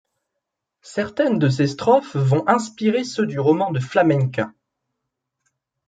Certaines de ses strophes vont inspirer ceux du roman de Flamenca.